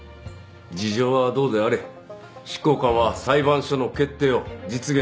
事情はどうであれ執行官は裁判所の決定を実現するだけだ。